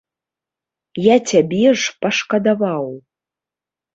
Я цябе ж пашкадаваў.